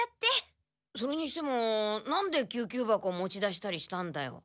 それにしてもなんで救急箱持ち出したりしたんだよ？